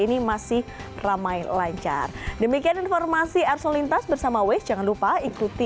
ini masih ramai lancar demikian informasi arslan lintas bersama wes jangan lupa ikuti